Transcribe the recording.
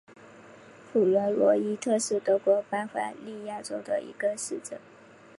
普伦罗伊特是德国巴伐利亚州的一个市镇。